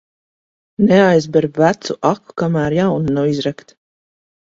Neaizber vecu aku, kamēr jauna nav izrakta.